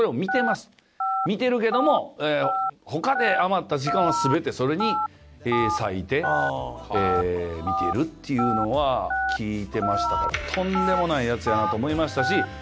見てるけども他で余った時間は全てそれに割いて見てるっていうのは聞いてましたからとんでもないヤツやなと思いましたし。